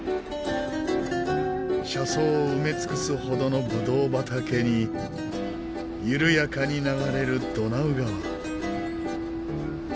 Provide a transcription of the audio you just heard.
車窓を埋め尽くすほどの葡萄畑に緩やかに流れるドナウ川。